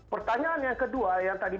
pertanyaan yang kedua yang tadi